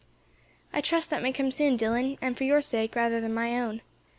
"I trust that that may come soon, Dillon, and for your sake, rather than my own.